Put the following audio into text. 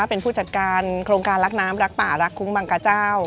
เป็นผู้จัดการโครงการรักน้ำรักป่ารักคุ้งบังกะเจ้า